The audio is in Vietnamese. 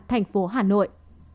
thành phố hà nội